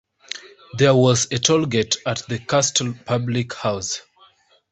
There was a tollgate at the Castle Public House.